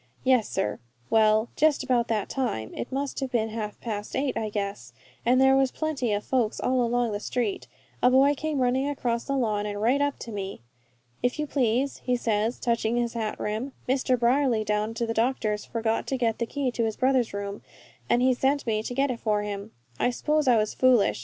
"Yes, sir. Well, just about that time it must have been half past eight, I guess and there was plenty of folks all along the street, a boy came running across the lawn and right up to me. "'If you please,' he says, touching his hat rim, 'Mr. Brierly, down to the doctor's, forgot to get the key to his brother's room, and he sent me to get it for him.' I s'pose I was foolish.